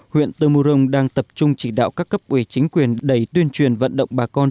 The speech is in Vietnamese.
huyện tư mô rông đang tập trung chỉ đạo các cấp ủy chính quyền đẩy tuyên truyền vận động bà con